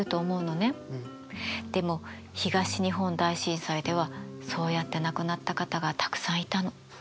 でも東日本大震災ではそうやって亡くなった方がたくさんいたの。